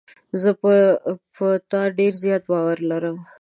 زه په تا ډېر زیات باور لرم.